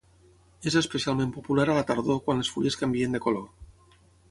És especialment popular a la tardor quan les fulles canvien de color.